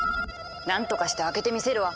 なんとかして開けてみせるわ。